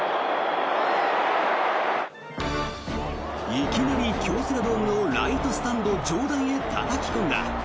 いきなり京セラドームのライトスタンド上段へたたき込んだ。